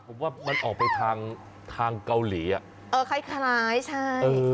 ผมว่ามันออกไปทางเกาหลีอ่ะเออคล้ายใช่